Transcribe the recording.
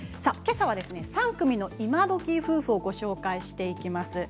けさは３組の今どき夫婦をご紹介していきます。